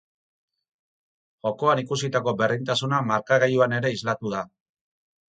Jokoan ikusitako berdintasuna markagailuan ere islatu da.